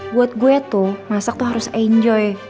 buat gue tuh masak tuh harus enjoy